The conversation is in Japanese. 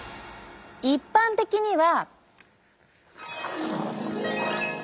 一般的には。